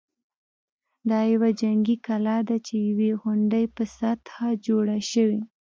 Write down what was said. دا یوه جنګي کلا ده چې د یوې غونډۍ په سطحه جوړه شوې.